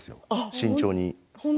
慎重に。